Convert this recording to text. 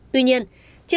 tuy nhiên chia sẻ